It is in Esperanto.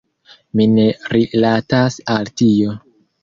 Mi ne rilatas al tio.